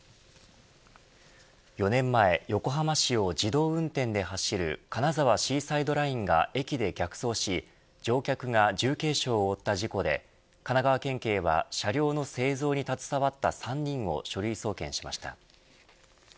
４年前、横浜市を自動運転で走る金沢シーサイドラインが駅で逆走し乗客が重軽傷を負った事故で神奈川県警は車両の製造に携わった３人を書類送検しました。